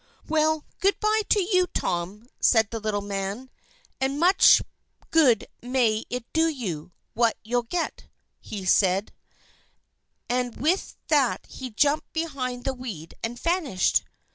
"Well, good bye to you, Tom," said the little man, "and much good may it do you, what you'll get," said he; and with that he jumped behind the weed, and vanished.